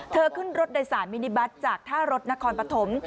ขึ้นรถโดยสารมินิบัตรจากท่ารถนครปฐม